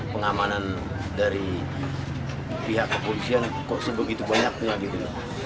pengamanan dari pihak kepolisian kok sebegitu banyak punya gitu